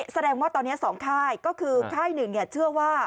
แสดงว่าตอนนี้๒ค่ายก็คือค่ายหนึ่งเชื่อว่า